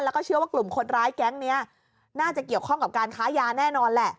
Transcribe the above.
แล้วก็เชื่อว่ากลุ่มคนร้ายแก๊งนี้น่าจะเกี่ยวข้องกับการค้ายาแน่นอนแหละ